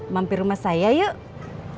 mampir rumah saya yuk